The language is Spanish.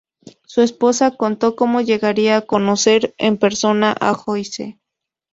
Su esposa contó cómo llegarían a conocer en persona a Joyce.